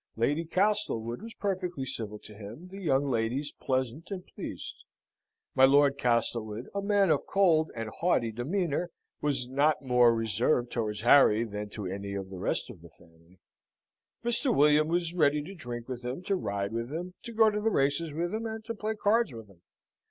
Lady Castlewood was perfectly civil to him; the young ladies pleasant and pleased; my Lord Castlewood, a man of cold and haughty demeanour, was not more reserved towards Harry than to any of the rest of the family; Mr. William was ready to drink with him, to ride with him, to go to races with him, and to play cards with him.